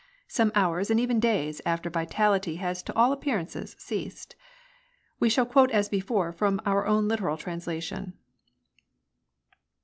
some hours and even days after vitality has to all appearances ceased. We shall quote as before from our own literal translation.